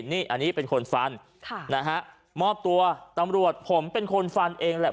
นี่อันนี้เป็นคนฟันค่ะนะฮะมอบตัวตำรวจผมเป็นคนฟันเองแหละ